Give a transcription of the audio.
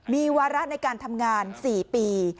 มีวาระในการทำงาน๔ปี